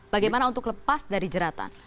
bagaimana untuk lepas dari jeratan